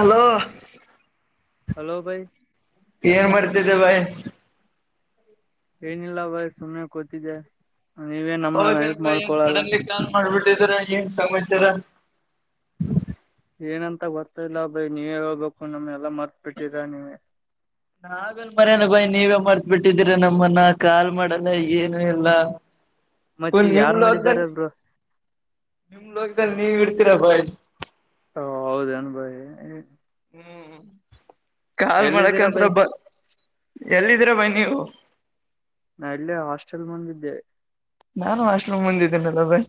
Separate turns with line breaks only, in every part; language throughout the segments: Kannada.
ಅಲೋ
ಹಲೋ ಭೈ
ಏನ್ ಮಾಡ್ತಿದ್ದೆ ಬಾಯ್
ಏನಿಲ್ಲ ಬಯ್ ಸುಮ್ನೆ ಕೂತಿದೆೆ ನೀವೇ ನಮ್ನ ನೆನಪ ಮಾಡ್ಕೊಳಲ್ಲ
[unintelligible] ಮಾಡ್ಬಿಟ್ಟಿದರ ಏನ್ ಸಮಾಚಾರ
ಏನಂತ ಗೊತ್ತಇಲ್ಲ ಬಯ ನೀವೇ ಹೇಳ್ಬೇಕು ನಮ್ ಎಲ್ಲಾ ಮರ್ತ್ ಬಿಟ್ಟರ ನೀವ
ನಾವೆಲ್ ಮರ್ಯನ ಬಾಯಿ ನೀವೇ ಮರ್ತ್ ಬಿಟ್ಟಿದ್ದೀರ ನಮ್ಮನ್ನ ಕಾಲ್ ಮಾಡಲ್ಲ ಏನು ಇಲ್ಲ ಫುಲ್
ಮತ್ತೆಗ
ನಿಮ್
ಯಾರ್ು ಮಾಡಿದಾರ
ಲೋಕದಲ್ಲಿ
ಬ್ರ
ನಿಮ್ ಲೋಕದಲ್ ನೀವ್ ಇರ್ತಿರ ಬಯ್
ಹ ಹೌದ ಅನು ಬಯಿ
ಹ್ಮ್ ಕಾಲ್
ಎಲ್ಲಿದ್ದೀರಾ
ಮಾಡಕಂತ್ರ
ಬೈ
ಬ ಎಲ್ಲಿದ್ರ ಬಾಯ ನೀವು
ನಾ ಎಲ್ಲೇ ಹಾಸ್ಟೆಲ್ ಮುಂದಿದ್ದೆ
ನಾನು ಹಾಸ್ಟಲ್ಮ್ ಮುಂದಿದ್ದೇನೆಲ್ಲ ಬೈ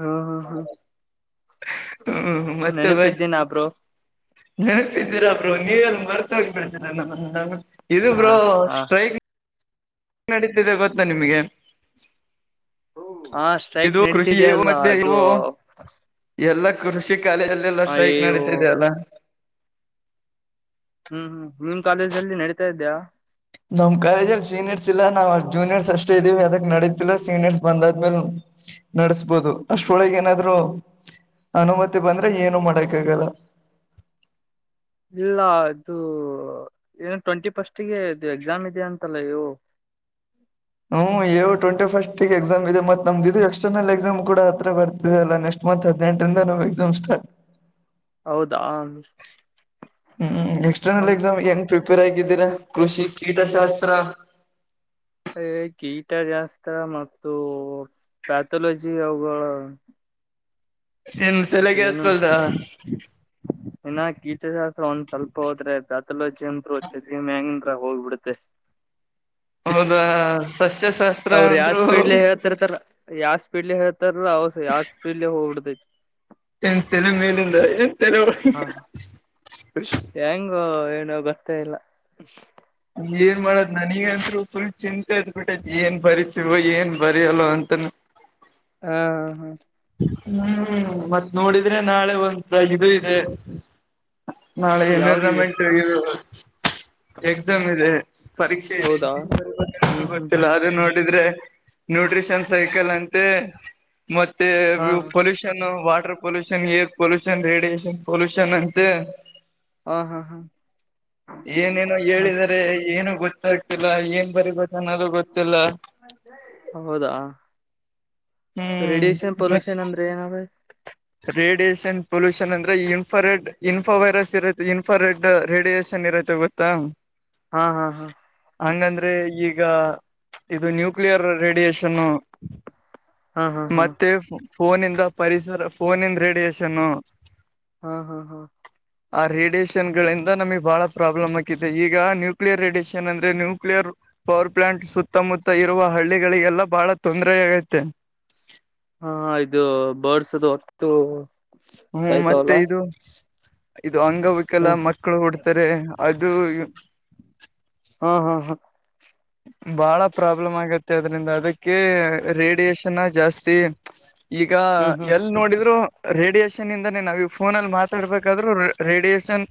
ಹ್ಮ್ ಹ್ಮ್ ಹ್ಮ್
ಹ್ಮ ಮತ್ತೆ ಬೈ
ನೆನಪಿದ್ದೀನಾ ಬ್ರೋ
ನೆನಪಿದ್ದೀರಾ ಬ್ರೋ ನೀವೆಲ್ಲಿ ಮರ್ತ ಹೋಗ್ಬಡ್ತೀರಾ ನಮ್ಮ ಇದು
ಹಾ
ಬ್ರೋ
ಹಾ
ಸ್ಟ್ರೈಕ್ ನಡೀತಿದೆ ಗೊತ್ತಾ ನಿಮಗೆ
ಹಾ ಸ್ಟ್ರೈಕ್
ಇದು ಕೃಷಿ
ನಡೀತಿದ್ಯ ಅಲ್ಲ
ಮತ್ತೆ
ಅದು
ಎಲ್ಲಾ ಕೃಷಿ ಕಾಲಲ್ಲೆಲ್ಲಾ ಸ್ಟ್ರೈಕ್
ಅಯ್ಯೋ
ನಡೀತಿದೆೆಯ ಅಲ್ಲ
ಹ್ಮ್ ಹ್ಮ್ ನಿಮ್ ಕಾಲೇಜ್ ಅಲ್ಲಿ ನಡೀತಾ ಇದ್ದ್ಯಾಾ
ನಮ್ ಕಾಲೇಜಲ್ಲಿ ಸೀನಿಯರ್ಸ್ ಇಲ್ಲ ನಾವ್ ಅ ಜೂನಿಯರ್ಸ್ ಅಷ್ಟೇ ಇದ್ದೀವಿ ಅದಕ್ ನಡೀತಿಲ್ಲ ಸೀನಿಯರ್ಸ್ ಬಂದಾದ್ಮೇಲೆ ನಡ್ಸ್ಬೋದು ಅಷ್ಟೊಳಗೆ ಏನಾದ್ರು ಅನುಮತಿ ಬಂದ್ರೆ ಏನು ಮಾಡಕ್ ಆಗಲ್ಲ
ಇಲ್ಲ ಇದು ಏನ ಟ್ವೆಂಟಿ ಫಸ್ಟ್ಗೆ ಇದು ಎಕ್ಸಾಮ್ ಇದೆ ಅಂತಲ್ಲ ಇವು
ಹ್ಮ್ ಏವು ಟ್ವೆಂಟಿ ಫಸ್ಟ್ಿಗೆ ಎಕ್ಸಾಮ್ ಇದೆ ಮತ್ತ ನಮ್ದಿದು ಎಕ್ಸ್ಟರ್ನಲ್ ಎಕ್ಸಾಮ್ ಕೂಡ ಹತ್ರ ಬರ್ತ ಅಲ್ಲ ನೆಕ್ಸ್ಟ್ ಮತ್ ಹದಿನೆಂಟರಿಂದ ನಾವು ಎಕ್ಸಾಮ್ ಸ್ಟ್
ಹೌದಾ ಆ
ಹ್ಮ್ ಎಕ್ಸ್ಟರ್ನಲ್ ಎಕ್ಸಾಮ್ ಹೆಂಗ್ ಪ್ರಿಪೇರ್ ಆಗಿದ್ದೀರಾ ಕೃಷಿ ಕೀಟಶಾಸ್ತ್ರ
ಅಯ ಗೀಟ ಜಾಸ್ತ್ರ ಮತ್ತು ಪ್ಯಾಥೊಲಜಿ ಅವುಗಳ
ಇನ್ ತಲೆಗೆ ಆತ್ವಲ್ರಾ
ಹ ಇನ್ನ ಕೀಟಶಾಸ್ತ್ರ ಒಂದ್ ಸ್ವಲ್ಪ ಹೋದ್ರೆ ದಾತಲೋಜಿ ಅಂದರು ಚಮೆಂಗಂದ್ರ ಹೋಗ್ಬಿಡುತ್ತೆ [inaudible]
ಹೌದಾ ಸಸ್ಯಶಸ್ತ್ರ
ಅವರು ಯಾವ ಸ್ಪೀಡ್ಲೆ ಹೇಳ್ತರ್ತಾರ ಯಾವ ಸ್ಪೀಡ್ಲೆ ಹೇಳ್ತಾರ ಅವ ಯಾವ ಸ್ಪೀಡ್ಲಿ ಹೋಗ್ಬಿಡ್ತೈತಿ ಹ
[unintelligible]
ಹೆಂಗ ಏನು ಗೊತ್ತೇ ಇಲ್ಲ
ಏನ್ ಮಾಡ ನನಗಂದ್ರು ಫುಲ್ ಚಿಂತೆ ಬಿಟ್ಟದದ ಏನ್ ಬರಿೀತಿವ ಏನ್ ಬರಿಯಲ್ಲ ಅಂತನ
ಹಾ ಹಾ ಹಾ
ಹ್ಮ್ ಮತ್ತ್ ನೋಡಿದ್ರೆ ನಾಳೆ ಒಂ ಇದು ಇದೆ. ನಾಳೆ
ಯಾವ್ದ
ಎನ್ವಿರ್ನಮೆಂಟ್ ಇದು ಎಕ್ಸಾಮ್ ಇದೆ ಪರೀಕ್ಷೆ ಇದೆ
ಹೌದಾ ಹ್ಮ್ ಹ್ಮ್
ಗೊತ್ತಿಲ್ಲ
ಹ್ಮ್
ಅದ ನೋಡಿದ್ರೆ ನ್ಯೂಟ್ರಿಷನ್ ಸೈಕಲ್ ಅಂತೆ ಮತ್ತೆ
ಹಾ ಹ
ಪೋಲುಶನ್ ಷನ್ water pollution air pollution radiation pollution ಅಂತೆ
ಹಾ ಹಾ
ಏನೇನೋ
ಮತ್
ಹೇಳಿದರೆ ಏನು ಗೊತ್ತಾಗ್ತಿಲ್ಲ ಏನ್ ಬರಿಬೇಕ ನನದುೂ ಗೊತ್ತಿಲ್ಲ
ಹೌದಾ
ಹ್ಮ್
ರೇಡಿಯಷನ್
ಮತ್
ಪೊಲ್ಷನ್ ಅಂದ್ರೆ ಏನಾವ
ರೇಡಿಯೇಷನ್ ಪೊಲ್ಯೂಷನ್ ಅಂದ್ರೆ ಇನ್ಫಾರೆಡ್ ಇನ್ಫ ವೈರಸ್ ಇರುತ್ತೆ ಇನ್ಫ ರೆಡ್ ರೇಡಿಯೇಷನ್ ಇರುತ್ತೆ ಗೊತ್ತಾ
ಹಾ ಹಾ ಹಾ
ಹಂಗಂದ್ರೆ ಈಗ ಇದು ನ್ಯೂಕ್ಲಿಯರ್ ರೇಡಿಯಷನ್
ಹಾ ಹಾ ಹಾ
ಮತ್ತೆ ಫೋನಂದ ಪರಿಸರ ಫೋನಿಂದ ರೇಡಿಯೇಶನ್ನು
ಹಾ ಹಾ ಹಾ
ಆ ರೇಡಿಯೇಷನ್ ಗಳಿಂದ ನಮಗ್ ಬಹಳ ಪ್ರಾಬ್ಲಮ್ ಆಾಕಿದೆ ಈಗ ನ್ಯೂಕ್ಲಿಯರ್ ರೇಡಿಯೇಷನ್ ಅಂದ್ರೆ ನ್ಯೂಕ್ಲಿಯರ್ ಪವರ್ ಪ್ಲಾಂಟ್ ಸುತ್ತಮುತ್ತ ಇರುವ ಹಳ್ಳಿಗಳಿಗೆಲ್ಲ ಬಹಳ ತೊಂದರೆ ಆಗತ್ತೆ
ಹಾ ಇದು ಬರ್ಸದು ಹೊತ್ತು
ಹ್ಮ್
ಸಾಯ್ತಾವಲ್ಲ
ಮತ್ತೆ ಇದು ಇದು ಅಂಗವಿಕಲ್ಲ
ಹ್ಮ
ಮತ್ ಮಕ್ಕಳು ಹಡ್ತಾರೆ ಅದು [unintelligible]
ಹ್ಮ್ ಹ್ಮ್ ಹ್ಮ
ಬಾಳ ಪ್ರಾಬ್ಲಮ್ ಆಗತ್ತೆ ಅದ್ರಿಂದ ಅದಕ್ಕೆ ರೇಡಿಯೇಶನ್ನ ಜಾಸ್ತಿ ಈಗ
ಹ್ಮ್ ಹ್ಮ್
ಎಲ್ ನೋಡಿದ್ರು ರೇಡಿಯಷನ್ ಇಂದಾನೇ ನಾವ ಈ ಫೋನಲ್ಲಿ ಮಾತಾಡ್ಬೇಕಾದ್ರು ರೇಡಿಯೇಷನ್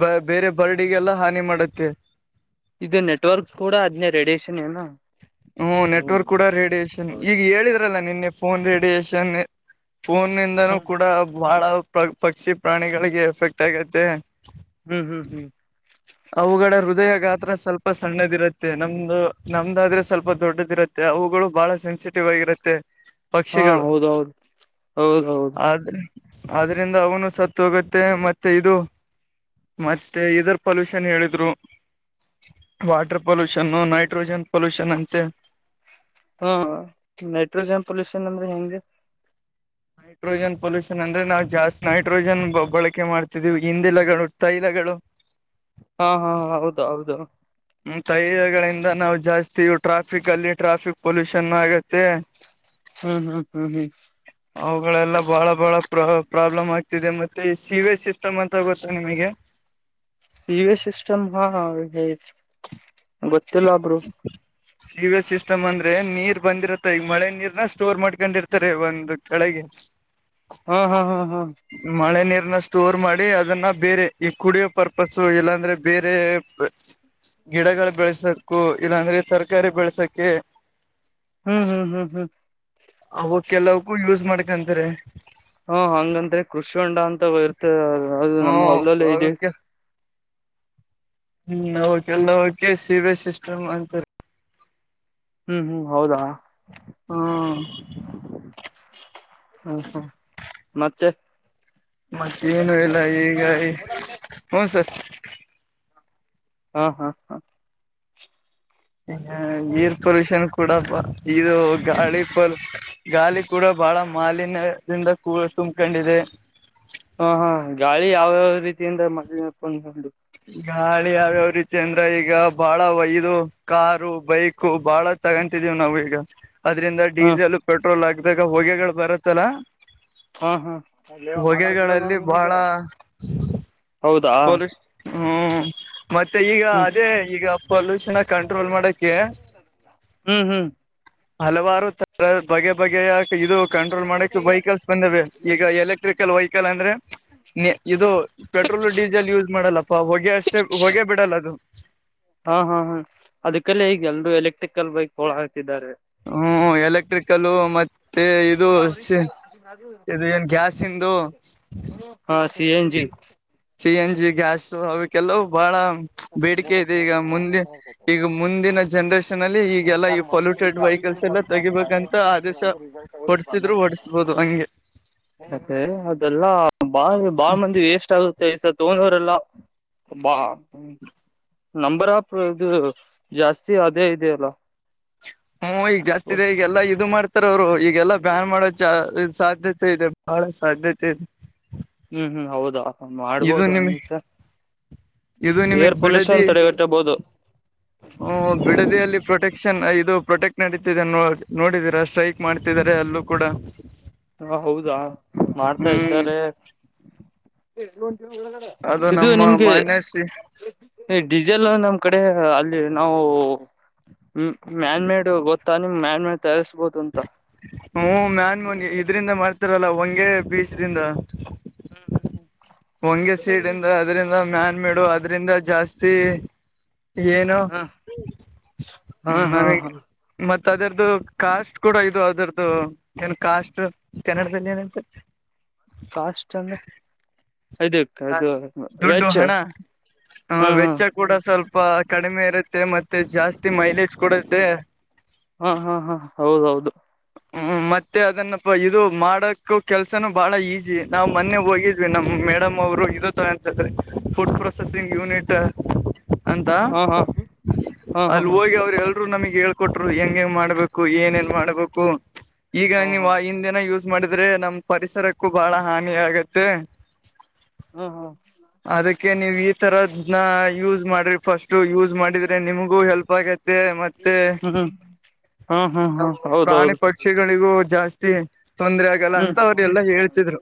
ಬ ಬೇರೆ ಬರ್ಡಿಗೆಲ್ಲ ಹಾನಿ ಮಾಡುತ್ತೆ
ಇದು ನೆಟ್ವರ್ಕ್ ಕೂಡ ಅದನೇ ರೇಡಿಯೇಷನ್ ಏನ
ಹ್ಮ್ ನೆಟ್ವರ್ಕ್ ಕೂಡ ರೇಡಿಯೇೇಶನ್
ಹೌದು
ಈಗ ಹೇಳಿದ್ರಲ್ಲ ನಿನ್ನೆ ಫೋನ್ ರೇಡಿಯಷನ್ ಫೋನ್ಂದನೂ
ಹ್ಮ್
ಕೂಡ ಬಹಳ ಪಕ್ಷಿ ಪ್ರಾಣಿಗಳಿಗೆ ಎಫೆಕ್ಟ್ ಆಗತೆ
ಹ್ಮ್ ಹ್ಮ್ ಹ್ಮ್
ಅವುಗಳಗಳ ಹೃದಯ ಗಾತ್ರ ಸ್ವಲ್ಪ ಸಣ್ಣದಿರುತ್ತೆ ನಮ್ದು ನಮ್ದಾದ್ರೆ ಸ್ವಲ್ಪ ದೊಡ್ಡದ ಇರುತ್ತೆ ಮತ್ತೆ ಅವುಗಳು ಬಹಳ ಸೆನ್ಸಿಟಿವ್ ಆಗಿರುತ್ತೆ
ಹಾ
ಪಕ್ಷಿಗಳು
ಹೌದೌದು ಹೌದೌದು
[unintelligible] ಆದ್ರೆ ಆದ್ರಿಂದ ಅವನು ಸತ್ ಹೋಗುತ್ತೆ ಮತ್ತೆ ಇದು [unintelligible] ಮತ್ತೆ ಇದ್ರ ಪೊಲ್ಯೂಷನ್ ಹೇಳಿದ್ರು [inaudible] ವಾಟರ್ ಪೊಲ್ಯೂಷನ್ ನೈಟ್ರೋಜನ್ ಪೊಲ್ಯೂಷನ್ ಅಂತೆ
ಹಾ ನೈಟ್ರೋಜನ್ ಪೊಲ್ಯೂಷನ್ ಅಂದ್ರೆ ಹೆಂಗೆ
ನೈಟ್ರೋಜನ್ ಪೊಲ್ಯೂಷನ್ ಅಂದ್ರೆ ನಾವು ಜಾಸ್ತಿ ನೈಟ್ರೋಜನ್ ಬಳಕೆ ಮಾಡ್ತಿದೀವಿ ಹಿಂದಿಲಗಳು ತೈಲಗಳು
ಹಾ ಹಾ ಹೌದು ಹೌದು
ಹ್ಮ ತೈಲಗಳಿಂದ ನಾವು ಜಾಸ್ತಿ ಟ್ರಾಫಿಕ್ ಅಲ್ಲಿ ಟ್ರಾಫಿಕ್ ಪೊಲ್ಯೂಷನ್ ಆಗತ್ತೆ.
ಹ್ಮ್ ಹ್ಮ್ ಹ್ಮ್ ಹ್ಮ್
ಅವುಗಳೆಲ್ಲ ಬಹಳ ಬಹಳ ಪ್ರ ಪ್ರಾಬ್ಲಮ್ ಆಗ್ತಿದೆ ಮತ್ತೆ ಸೀಿವೇಜ್ ಸಿಸ್ಟಮ್ ಅಂತ ಗೊತ್ತಾ ನಿಮಗೆ
ಸಿ ಎ ಸಿಸ್ಟಮ್ ಹಾ [inaudible] ಗೊತ್ತಿಲ್ಲ ಬ್ರೋ
ಸೀಿವೇಜ್ ಸಿಸ್ಟಮ್ ಅಂದ್ರೆ ನೀರ್ ಬಂದಿರುತ್ತೆ ಈಗ ಮಳೆ ನೀರ್ನ ಸ್ಟೋರ್ ಮಾಡ್ಕೊಂಡಿರ್ತಾರೆ ಒಂದು ಕಡೆಗೆ.
ಹ್ಮ್ ಹ್ಮ್ ಹ್ಮ್ ಹ್ಮ್
ಮಳೆ ನೀರನ ಸ್ಟೋರ್ ಮಾಡಿ ಅದನ್ನ ಬೇರೆ ಈ ಕುಡಿಯೋ ಪರ್ಪಸ್ ಇಲ್ಲಾಂದ್ರೆ ಬೇರೆ [unintelligible]
ಹ್ಮ [unintelligible]
ಗಿಡಗಳು ಬೆಳಸಕು ಇಲ್ಲಾಂದ್ರೆ ತರಕಾರಿ ಬೆಳಸಕೆ
ಹ್ಮ್ ಹ್ಮ್ ಹ್ಮ್ ಹ್ಮ್
ಅವ ಕೆಲವಕ್ಕೂ ಯೂಸ್ ಮಾಡ್ಕಂತಾರೆ.
ಹಾ ಹಂಗಂದ್ರೆ ಕೃಷಿ ಹೊಂಡಾ ಅಂತ ಇರ್ತದೆ ಅದು
ಹ್ಮ
ನಮ್ಮ ಹೊಲ್ದಲ್ಲೇ ಇದೆ.
ಅವಕ್ಕೆ ಹ್ಮ್ ನಕೆಲ್ಲ ಕೆ ಸಿಬ ಸಿಸ್ಟಮ್ ಅಂತರಿ
ಹ್ಮ್ ಹ್ಮ್ ಹೌದಾ
ಹ್ಮ
[unintelligible] ಹ್ಮ ಹ್ಮ್ ಮತ್ತೆ
ಮತ್ತ ಏನು ಇಲ್ಲ ಈಗ [inaudible] ಈ ಹ್ನ್ ಸರ್
ಹಾ ಹಾ ಹಾ
ಈ ಏರ್ ಪೊಲ್ಯೂಷನ್ ಕೂಡ [unintelligible] ಇದು ಗಾಳಿ ಪಲ್ ಗಾಳಿ ಕೂಡ ಬಹಳ ಮಾಲಿನ್ಯ [unintelligible] ಕೂಳ್ ತುಂಬಕೊಂಡಿದೆ
ಹಾ ಹಾ ಗಾಳಿ ಯಾವ್ಯಾವ ರೀತಿಯಿಂದ [unintelligible]
ಗಾಳಿ ಯಾವ ರೀತಿ ಅಂದ್ರ ಈಗ ಬಾಳ ಒಯದು ಕಾರು ಬೈಕು ಬಾಳ ತಗೊಂತಿದೀವಿ್ ನಾವು ಈಗ ಅದ್ರಿಂದ
ಹಾ
ಡೀಸೆಲ್ ಪೆಟ್ರೋಲ್ ಆಗದಾಗ ಹೊಗೆಗಳು ಬರುತ್ತಲ್ಲಾ
ಹಾ ಹಾ
ಹೊಗೆಗಳಲ್ಲಿ ಬಹಳ
ಹೌದಾ
ಪೊಲೀಸ್ ಹ್ಮ್ ಮತ್ತೆ ಈಗ
ಹ್ಮ್
ಅದೇ ಈಗ ಪೊಲ್ಯೂಷನ ಕಂಟ್ರೋಲ್ ಮಾಡಕ್ಕೆ.
ಹ್ಮ್ ಹ್ಮ್.
ಹಲವಾರು ತರ ಬಗೆ ಬಗೆಯಕ ಇದು ಕಂಟ್ರೋಲ್ ಮಾಡಕ್ ವೆಹಿಕಲ್ಸ್ ಬಂದೆ ಈಗ ಎಲೆಕ್ ಲೆಕ್ಟ್ರಿಕಲ್ ವೆಹಿಕಲ್ ಅಂದ್ರೆ ಇದು ಪೆಟ್ರೋಲ್ ಡೀಸೆಲ್ ಯೂಸ್ ಮಾಡಲ್ಲ. ಪ ಹೊಗೆ ಅಷ್ಟೇ ಹೊಗೆ ಬಿಡಲ್ಲ ಅದು.
ಹಾ ಹಾ ಹಾ ಅದಕ್ಕೆಲ್ಲೇ ಈಗ ಎಲ್ರೂ ಎಲೆಕ್ಟ್ರಿಕಲ್ ಬೈಕ್ ತೊಳತ್ತಿದ್ದಾರೆ.
ಹ್ಮ್ ಎಲೆಕ್ಟ್ರಿಕಲು ಮತ್ತೆ ಇ ಗ್ಯಾಸ್ ಇಂದು
ಹಾ C N G.
C N G gas ಅವಕ್ಕೆಲ್ಲ ಬಹಳ ಬೇಡಿಕೆ ಇದೆ ಈಗ ಮುಂದೆ. ಈಗ ಮುಂದಿನ ಜನ್ರೇಷನ್ ಅಲ್ಲಿ ಈಗೆಲ್ಲಾ ಈ ಪೊಲ್ಯೂಟೆಡ್ ವೆಹಿಕಲ್ಸ್ ಎಲ್ಲ ತೆಗಿಬೇಕಂತ ಆದೇಶ. ಓಡ್ಸಿದ್ರು ಓಡಸ್ಬೋದು ಹಂಗೆ.
ಅದೇ ಅದೆಲ್ಲಾ ಬಾಳ ಬಾಳ ಮಂದಿ ವೇಸ್ಟ್ ಅಲ್ ಸರ್ ದೋ ಹಜಾರ್ ಎಲ್ಲ ಬಾ. ನಂಬರ್ ಆಪ್ ಇದು ಜಾಸ್ತಿ ಅದೇ ಇದೆಯಲ್ಲ.
ಹ್ಮ ಮೈ ಈಗ ಜಾಸ್ತಿ ಇದೆ ಈಗೆಲ್ಲಾ ಇದು ಮಾಡ್ ತರ ಅವರು ಈಗೆಲ್ಲಾ ಬ್ಯಾನ್ ಮಾಡೋ ಚಾ ಸಾಧ್ಯತೆ ಇದೆ ಬಹಳ ಸಾಧ್ಯತೆ ಇದೆ.
ಹ್ಮ್ ಹ್ಮ್ ಹೌದ.
ಇದು
ಮಾಡ್ಬೋದು
ನಿಮ
ಹಂಗ [unintelligible]
ಇದು
ಏರ್
ನಿಮಗ್ ಬಿಡದಿ
ಪೊಲ್ಯೂಷನ್ ತಡೆಗಟ್ಟಬಹುದು. [inaudible]
ಹೂ ಬಿಡದಿಯಲ್ಲಿ ಪ್ರೊಟೆಕ್ಷನ್ ಇದು ಪ್ರೊಟೆಕ್ಟ್ ನಡೀತಿದೆ ನೋ ನೋಡಿದೀರ ಸ್ಟ್ರೆಕ್ ಮಾಡ್ತಿದ್ದಾರೆ ಅಲ್ಲೂ ಕೂಡ. [inaudible]
ಹಾ ಹೌದಾ ಮಾಡ್ತಾ
ಹ್ಮ್
ಇದ್ದಾರೆ. [unintelligible]
ಅದು
ಇದು
ನಮ್ಮ
ನಿಮ್ಗೆ.
ಮಾನ್ಯ ಶ್ರೀ
ಈ ಡೀಸೆಲ್ ನಮ್ಮ್ ಕಡೆ ಅಲ್ಲಿ ನಾವು. ಹ್ಮ ಮ್ಯಾನ್ ಮೇಡ್ ಗೊತ್ತಾ ನಿಮ್ ಮ್ಯಾನ್ ಮೇಡ್ ತಯಾರಸ್ಬೋದು ಅಂತ.
ಹ್ಮ ಮ್ಯಾನ್ಮನಿ ಇದ್ರಿಂದ ಮಾಡ್ತಾರಲ್ಲ ಹೊಂಗೆ ಬೀಜ ದಿಂದ.
ಹ್ಮ್ ಹ್ಮ್ ಹ್ಮ್.
ಹಂಗೆ ಸೀಡಂದ ಅದ್ರಿಂದ ಮ್ಯಾನ್ ಮೆಡು ಅದ್ರಿಂದ ಜಾಸ್ತಿ. ಏನು
ಹ್ಮ್ ಹಾ ಹಾ ಹಾ
ನಮಿಗ್
ಹಾ
ಮತ್ತ ಅದರದ್ದು ಕಾಸ್ಟ್ ಕೂಡ ಇದು ಅದರದ್ದು ಏನ್ ಕಾಸ್ಟ್. ಕನ್ನಡದಲ್ಲಿ ಏನಂತಿರ್. [unintelligible]
ಅಷ್ಟ ಅಂದ್ರ ಅದುಕ್ಕೆ ಅದು
ಕಾಸ್ಟ್ ದುಡ್ಡು
ವೆಚ್ಚ
ಹಣ
ಹಾ ಹಾ.
ವೆಚ್ಚ ಕೂಡ ಸ್ವಲ್ಪ ಕಡಿಮೆ ಇರುತ್ತೆ ಮತ್ತೆ ಜಾಸ್ತಿ ಮೈಲೇಜ್ ಕೂಡತ್ತೆ.
ಹಾ ಹಾ ಹಾ ಹೌದೌದು.
ಹ್ಮ್ ಮತ್ತೆ ಅದನ್ನಪ್ಪ ಇದು ಮಾಡಕ್ಕ ಕೆಲ್ಸನೂ ಬಹಳ ಈಸಿ ನಾವ್ ಮೊನ್ನೆ ಹೋಗಿ. ನಮ್ಮ್ ಮೇಡಮ್ ಅವರು ಇದ ತಗ್ ಅಂತಂದ್ರೆ ಫುಡ್ ಪ್ರೊಸೆಸಿಂಗ್ ಯೂನಿಟ. ಅಂತ
ಹಾ ಹಾ ಹಾ ಹಾ
ಅಲ್ಲಿ
ಹಾ
ಹೋಗಿ ಅವರು ಹೇಳ್ ರು ನಮಗೆ ಹೇಳ್ಕೊಟ್ರು ಹೆಂಗ ಹಂಗ್ ಮಾಡ್ಬೇಕು ಏನೆನ್ ಮಾಡ್ಬೇಕು ಈಗ ನೀವು
ಹಾ
ಹಿಂದೆನ ಯೂಸ್ ಮಾಡಿದ್ರೆ ನಮ್ ಪರಿಸರಕ್ಕೂ ಬಹಳ ಹಾನಿ ಆಗತ್ತೆ.
ಹ್ಮ ಹ್ಮ.
ಅದಕ್ಕೆ ನೀವು ಈ ತರದ ನಾ ಯೂಸ್ ಮಾಡ್ರಿ. ಫಸ್ಟ್ ಯೂಸ್ ಮಾಡಿದ್ರೆ ನಿಮಗೂ ಹೆಲ್ಪ್ ಆಗತ್ತೆ ಮತ್ತೆ.
ಹಾ ಹಾ ಹಾ
ನಮ್ ಪ್ರಾಣಿ
ಹೌದೌದು.
ಪಕ್ಷಿಗಳಿಗೂ ಜಾಸ್ತಿ ತೊಂದರೆ ಆಗಲ್ಲ
ಹ್ಮ್
ಅಂತ ಅವ್ರ ಎಲ್ಲಾ ಹೇಳ್ತಿದ್ರು.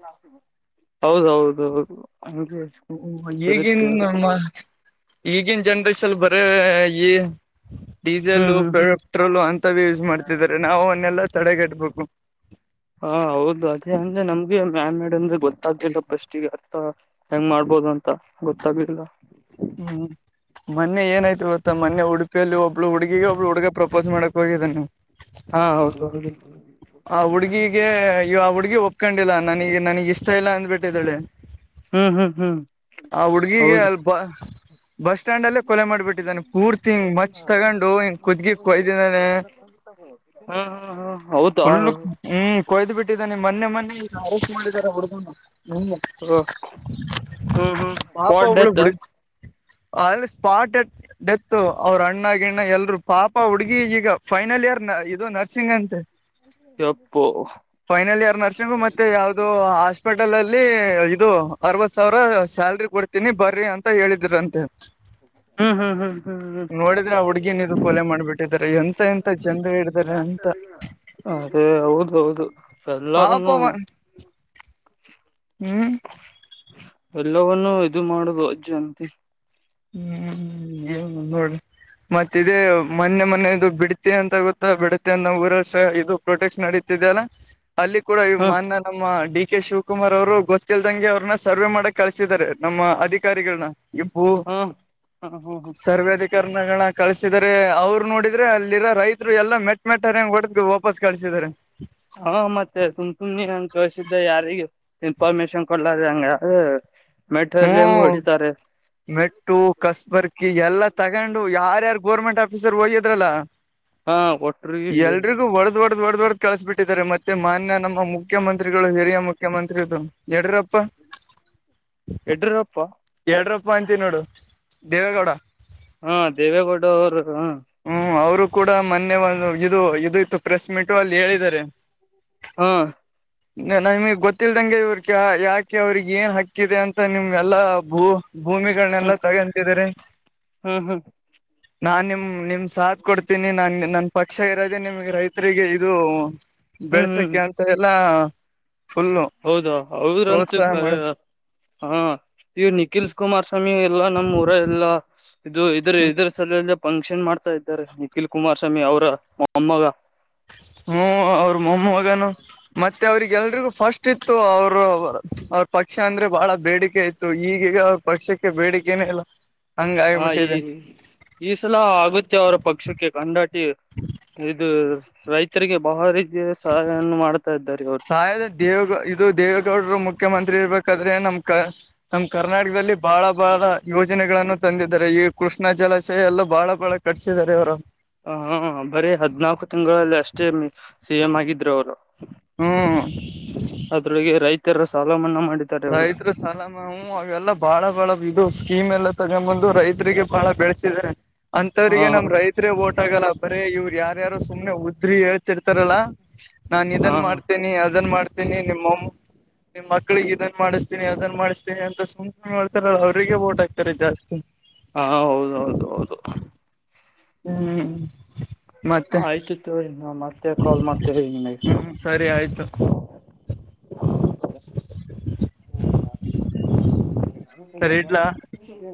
ಹೌದೌ ಹೌದು ದು ಹಾಗೆ.
ಹ್ಮ ಈಗಿನ್ ನಮ್ಮ ಈಗಿನ್ ಜನ್ರಷನ್ ಬರೇ ಇ
ಹ್ಮ್
ಡೀಸೆಲು
ಹ್ಮ್
ಪೆಟ್ರೋಲು ಅಂತವೆ ಯೂಸ್ ಮಾಡ್ತಿದಿದ್ದಾರೆ ನಾವು ಅವನ್ನೆಲ್ಲಾ ತಡೆಗಟ್ಬೇಕು.
ಹಾ ಹೌದು ಅದೇ ಅಂದೆ ನಮ್ಗೆ ಮ್ಯಾನ್ ಮೇಡ ಅಂದ್ರೆ ಗೊತ್ತಾಗ್ಲಿಲ್ಲ ಪಸ್ಟ್ ಗೆ ಅರ್ಥ. ಹೆಂಗ್ ಮಾಡ್ಬೋದು ಅಂತ ಗೊತ್ತಾಗಿಲ್ಲ.
ಹ್ಮ್ ಮೊನ್ನೆ ಏನಾಯ್ತು ಗೊತ್ತಾ ಮೊನ್ನೆ ಉಡುಪಿಯಲ್ಲಿ ಒಬ್ಬಳು ಹುಡುಗಿಗೆ ಒಬ್ಬ ಹುಡಗ ಪ್ರಪೋಸ್ ಮಾಡಕ್ ಹೋಗಿದಾನೆ.
ಹಾ ಹೌದುೌ.
ಆ ಹುಡ್ಗಿಗೆ ಆ ಹುಡ್ಗಿ ಒಪ್ಕೊಂಡಿಲ್ಲ ನನಗ ನನಗ್ ಇಷ್ಟ ಇಲ್ಲ ಅಂದ್ಬಿಟ್ಟಿದ್ದಾಳೆ.
ಹ್ಮ್ ಹ್ಮ್ ಹ್ಮ್
[inaudible] ಆ ಹುಡ್ಗಿಗೆ
ಹೌದು
ಅಲ್ಪ. [inaudible] ಬಸ್ ಸ್ಟಾಂಡ್ ಅಲ್ಲೇ ಕೊಲೆ ಮಾಡಿಬಿಟ್ಟಿದ್ದಾನೆ ಪೂರ್ತಿ ಹಿಂಗ್ ಮಚ್ ತಗೊಂಡು ಹಿಂಗ್ ಕುತಗಿ ಕೊಯ್ದಿದ್ದಾನೆ.
ಹ [inaudible] ಹಾ ಹಾ ಹಾ ಹೌದಾ
ಫುಲ್ಲು ಹ್ಮ್ ಕೊಯ್ದ್ ಬಿಟ್ಟಿದ್ದಾನೆ ಮೊನ್ನೆ ಮನ್ನೆ ಈಗ ಅರೆಸ್ಟ್ ಮಾಡಿದ್ದಾರೆ ಹುಡ್ಗಗೆ ಹೂ.
ಹ ಹ್ಮ್ ಹ್ಮ್ ಸ್ಪಾಟ್ ಡೆತ್ತ.
[inaudible] ಅಗಲೆ ಸ್ಪಾಟ್ ಡೆತ್ ಡೆತ್ ಅವ್ರ ಅಣ್ಣ ಗಿಣ್ಣ ಎಲ್ರುೂ ಪಾಪ ಹುಡುಗಿ ಈಗ ಫೈನಲ್ ಇಯರ್ ನ ಇದು ನರ್ಸಿಂಗ್ ಅಂತೆ.
ಎಪೋ
ಫೈನಲ್ ಇಯರ್ ನರ್ಸಿಂಗು ಮತ್ತೆ ಯಾವದೋ ಅ [unintelligible] ಹಾಸ್ಪಿಟಲ್ ಅಲ್ಲಿ ಇದು ಅರವತ್ ಸಾವಿರ ಸ್ಯಲ್ರಿ ಕೊಡ್ತೀನಿ ಬರ್ರಿ ಅಂತ ಹೇಳಿದ್ರಂತೆ.
ಹ್ಮ [inaudible] ಹ್ಮ್ ಹ್ಮ್ ಹ್ಮ ಹ್ಮ ಹ
ನೋಡಿದ್ರೆ ಹುಡ್ಗಿನ್ ಇದು ಕೊಲೆ ಮಾಡ್ಬಿಟ್ಟಿದ್ದಾರೆ ಎಂತ ಎಂತ ಜನರು ಇದ್ದಾರೆ ಅ [unintelligible] ತ್ತ [unintelligible]
ಅದೇ ಹೌದೌದು
ಪಾಪ
ಎಲ್ಲವನ್ನು
ಅವ
[inaudible]
ಹ್ಮ್
ಎಲ್ಲವವನ್ನುೂ ಇದು ಮಾಡುದು ಅಜ್ಜಂತಿ [inaudible]
ನೀ ನೋಡಿ ಮತ್ತೆ ಇದೆ ಮೊನ್ನೆ ಮೊನ್ನೆ ಇದು ಬಿಡ್ತಿ ಅಂತ ಗೊತ್ತಾ ಬಿಡತಿ [unintelligible] [unintelligible] ಪ್ರೊಟೆಕ್ಷನ್ ನಡೀತಿದ್ದ ಅಲ್ಲ ಅಲ್ಲಿ ಕೂಡ ಇ
ಹಾ
ಮಾನ್ ನಮ್ಮ ಡಿ ಕೆ ಶಿವಕುಮಾರ್ ಅವರು ಗೊತ್ತಿಲ್ದಂಗೆ ಅವ್ರನ್ನ ಸರ್ವೆ ಮಾಡಕ್ ಕಳಸಿದಿದ್ದಾರೆ ನಮ್ಮ ಅಧಿಕಾರಿಗಳನ್ನ ಇಪ್ಪು
ಹಾ ಹಾ ಹಾ ಹಾ
ಸರ್ವದಿಕ್ ಕರಣಗಳ ಕಳಸಿದಿದ್ದಾರೆ ಅವ್ರು ನೋಡಿದ್ರೆ ಅಲ್ಲಿರ ರೈತರು ಎಲ್ಲ ಮೆಟ್ಟ ಮೆಟ್ಟ ಹರೆಂಗ್ ಹೊಡೆದ ವಾಪಸ್ ಕಳಸಿದಿದ್ದಾರೆ.
ಹಾ ಮತ್ತೆ ಸುಮ್ ಸುಮನೇ ಹಂಗ್ ಕಳ್ಸಿದ್ದೆ ಯಾರಿಗ. ಇನ್ಫರ್ಮೇಶಷನ್ ಕೊಡ್ಲಾರ ಅಂಗ [unintelligible]
ಹ್ಮ [inaudible] ಮೆಟ್ಟು ಕಸ್ಬರ್ಕಿ ಎಲ್ಲಾ ತಗೊಂಡು ಯಾರ್ಯಾರು ಗೋರ್ಮೆಂಟ್ ಆಫೀಸರ್ ಹೋಗ್ಯಿದ್ರಲ್ಲ.
ಹಾ
[inaudible]
ಕೊಟ್ರಿಗೆ
ಎಲ್ರಿಗೂ ಬರುತ್ [unintelligible] ದಡ ದೊಡ್ಡ್ದ ದೊಡ್ಡ ದೊಡ್ಡ್ದ ಕಸ್ಬ ಬಿಟ್ಟಿದ್ದಾರೆ ಮತ್ತೆ ಮಾನ್ಯ ನಮ್ಮ ಮುಖ್ಯಮಂತ್ರಿಗಳು ಹಿರಿಯ ಮುಖ್ಯಮಂತ್ರಿದು ಯಡೂರಪ್ಪ
ಎಡ್ರೂರಪ್ಪ
ಎರಡರಪ್ಪ ಅಂತೀ ನೋಡು ದೇವೇಗೌಡ
ಹಾ ದೇವೇಗೌಡ ಅವರು ಹ
ಹ್ಮ್ ಅವರು ಕೂಡ ಮೊನ್ನೆ ಇದು ಇದು ಇತ್ತು ಪ್ರೆಸ್ ಮೀಟು ಅಲ್ಲಿ ಹೇಳಿದ್ದಾರೆ
ಹಾ [inaudible]
ನಮಗ್ ಗೊತ್ತಿಲ್ದಂಗೆ ಇವ್ರಿಗೆ ಯಾಕೆ ಅವ್ರಿಗೆ ಏನ್ ಹಕ್ಕಿದೆ ಅಂತ ನಿಮ್ ಎಲ್ಲಾ ಭೂ
ಹ್ಮ
ಭೂಮಿಗಳನ್ನೆಲ್ಲ ತಗಂತಿದ್ರ
ಹ್ಮ್ ಹ್ಮ್
ನಾನ್ ನಿಮ್ ನಿಮ್ ಸಾತ್ ಕೊಡ್ತೀನಿ ನಾನ್ ನನ್ ಪಕ್ಷ ಇರದೆೇ ನಿಮ್ಗೆ ರೈತರಿಗೆ ಇದು
ಹ್ಮ್
ಬೆಳ್ಸಕ
ಹ್ಮ್
ಅಂತ ಹಾ
ಹೌದಾ
ಪ್ರೋತ್ಸಾಹ
ಹೌದಂತತ
ಮಾಡ
ಹಾ ಇವ ನಿಖಿಲ್ ಕುಮಾರ್ಸ್ವಾಮಿ ಎಲ್ಲ ನಮ್ಮ್ ಊರ ಎಲ್ಲ ಇದು ಇದ್ರ ಇದ್ರ ಸಲಲ್ಲ ಫಂಕ್ಷನ್ ಮಾಡ್ತಾ ಇದ್ದಾರೆ ನಿಖಿಲ್ ಕುಮಾರ್ಸ್ವಾಮಿ ಅವರ ಮಮ್ಮಗ
ಹ್ಮ ಅವರು ಮೊಮೋ ಹಗಾನ ಮತ್ತೆ ಅವ್ರಿಗೆ ಎಲ್ರಿಗೂ ಫಸ್ಟ್ ಇತ್ತು ಅವರು ಅವ್ರ ಪಕ್ಷ ಅಂದ್ರೆ ಬಹಳ ಬೇಡಿಕೆ ಇತ್ತು ಈಗೀಗ ಅವ ಪಕ್ಷಕ್ಕೆ ಬೇಡಿಕೆನ ಇಲ್ಲ ಹಂಗ
ಹ ಈ
ಆಗ್ಬಿಟ್ಟಿದೆ
ಈ ಸಲ ಆಗುತ್ತೆ ಅವ್ರ ಪಕ್ಷಕ್ಕೆ ಕಂಡಾಟಿ ಇದು ರೈತರಿಗೆ ಬಹಳ ರೀತಿಯ ಸಹಾಯವನ್ನು ಮಾಡ್ತಾ ಇದ್ದಾರೆ ಅವರು
ಸಹದ ದೇವೇಗೌ ಇದು ದೇವೇಗೌಡರು ಮುಖ್ಯಮಂತ್ರಿ ಇರ್ಬೇಕಾದ್ರೆ ನಮ್ ಕ ನಮ ಕರ್ನಾಟಕದಲ್ಲಿ ಬಹಳ ಬಹಳ ಯೋಜನೆಗಳನ್ನು ತಂದಿದ್ದಾರೆ ಈ ಕೃಷ್ಣ ಜಲಾಶಯ ಎಲ್ಲ ಬಹಳ ಬಾಳ ಕಟ್ಿಸಿದ್ದಾರೆ ಅವರ
ಹ ಹಾ ಬರೀ ಹದ್ನಾಾಲ್ಕು ತಿಂಗಳಲ್ಲಿ ಅಷ್ಟೇ ಸಿ ಎಂ್ ಆಗಿದರು ಅವರು
ಹ್ಮ್
ಅದರೊಳಗೆ ರೈತರ ಸಾಲ ಮನ್ನಾ ಮಾಡ
ರೈತರು ಸಾಲ ಹಾ ಅವೆಲ್ಲಾ ಬಾಳ ಬಾಳ ಇದು ಸ್ಕೀಮ್ ಎಲ್ಲ ತಗೊಂಬಂದು ರೈತರಿಗೆ ಬಾಳ ಬೆಳಸಿದೆ
ಹಾ
ಅಂತವ್ರಿಗೆ ನಮ್ ರೈತ್ರೇ ಓಟ್ ಆಗಲ್ಲ ಬರೀ ಇವ್ರು ಯಾರ್ಯಾರು ಸುಮ್ನೆ ಉದ್ರಿ ಹೇಳ್ತಿರ್ತಾರಲ್ಲ ನಾನ್
ಹಾ
ಇದನ್ ಮಾಡ್ತೇನೆಿ ಅದನ್ ಮಾಡ್ತೇನಿ ನಿಮ್ಮಮ್ಮ ನಿಮ್ ಮಕ್ಳಿಗೆ ಇದನ್ ಮಾಡಿಸ್ತೀಿ ಅದನ್ ಮಾಡಿಸ್ತೀನಿ ಅಂತ ಸು್ನೆ ಮಾಡೇಳ್ತಾರಲ್ಲ ಅವ್ರರಿಗೆ ಬೋಟ್ ಆಗ್ತಾರೆ ಜಾಸ್ತಿ
ಹಾ ಹೌದೌದು ಹೌದು
ಹ್ಮ್ ಮತ್ತೆ
ಆಯ್ತು ತೋರಿಮತ್ತೆ ಕಾಲ್ ಮಾಡ್ತೀನಿ
ಹ್ಮ್ ಸರಿ ಆಯ್ತು ಸರಿ ಇಡ್ಲಾ.
ಇಲ್ಲ